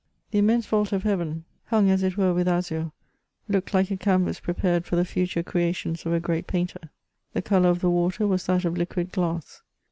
The immense vault of heaven, hung as it were with azure, looked like a canvass prepared for the future creations of a great painter. The colour of the water was that of liquid glass.